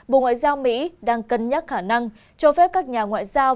bộ ngoại giao mỹ đang cân nhắc khả năng cho phép các nhà ngoại giao